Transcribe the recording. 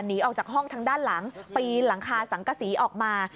หนีออกจากห้องทางด้านหลังปีนหลังคาสังกษีออกมา